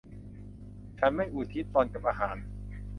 ฉันไม่อุทิศตนกับอาหาร